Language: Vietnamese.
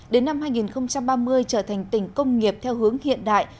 đến năm hai nghìn ba mươi trở thành tỉnh công nghiệp theo hướng hiện đại